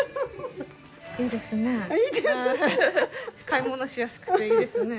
いいですね。